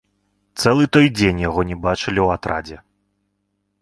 Цэлы той дзень яго не бачылі ў атрадзе.